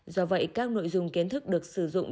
do vậy các nội dung kiến thức được sử dụng